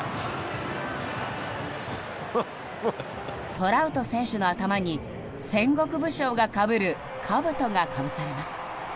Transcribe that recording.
トラウト選手の頭に戦国武将がかぶるかぶとが、かぶされます。